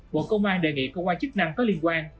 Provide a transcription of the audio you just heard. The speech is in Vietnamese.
bộ công an đề nghị công an chức năng có liên quan